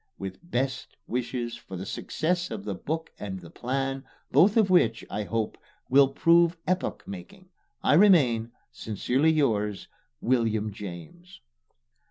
With best wishes for the success of the book and the plan, both of which, I hope, will prove epoch making, I remain, Sincerely yours, WM. JAMES.